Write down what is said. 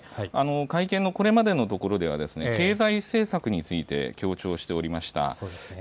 会見のこれまでのところでは経済政策について強調しておりました。